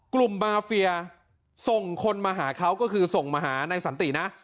กลุ่มมาเฟียส่งคนมาหาเขาก็คือส่งมาหานายสันตินะ